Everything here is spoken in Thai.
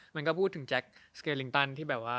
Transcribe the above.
แล้วมันพูดถึงแจ็คส์สเกรอลิงตันที่แบบว่า